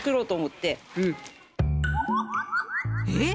えっ？